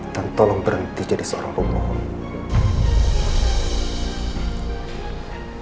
dan tolong berhenti jadi seorang pembohong